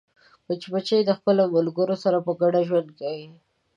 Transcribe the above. مچمچۍ د خپلو ملګرو سره په ګډه ژوند کوي